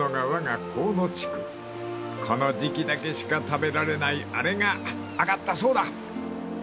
［この時期だけしか食べられないあれが揚がったそうだ］